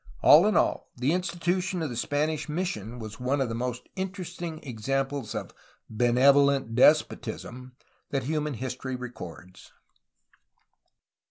All in all, the institution of the Spanish mission was one of the most interesting examples of ''benevolent despotism" that human history records.